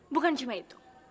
bukan cuma itu